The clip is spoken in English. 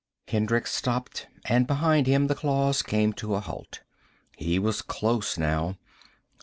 Hendricks stopped, and behind him, the claws came to a halt. He was close, now.